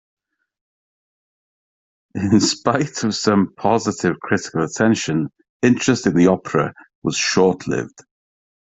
In spite of some positive critical attention, interest in the opera was short-lived.